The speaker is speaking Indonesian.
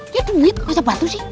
ya duit masa batu sih